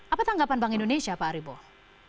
apa tanggapan bank indonesia pak arieboh